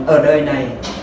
ở đời này